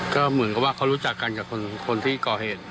ก็เหมือนกับว่าเขารู้จักกันกับคนที่ก่อเหตุ